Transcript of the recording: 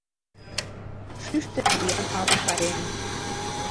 Шӱштӧ вуян алашаэм